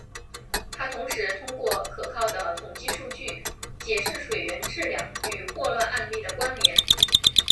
他同时通过可靠的统计数据解释水源质量与霍乱案例的关联。